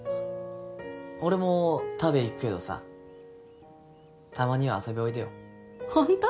俺も食べ行くけどさたまには遊びおいでよホント？